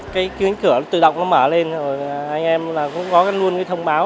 cái cửa tự động nó mở lên rồi anh em cũng có luôn cái thông báo